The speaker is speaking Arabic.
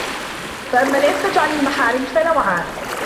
فَأَمَّا الْعِفَّةُ عَنْ الْمَحَارِمِ فَنَوْعَانِ